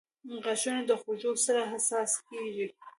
• غاښونه د خوږو سره حساس کیږي.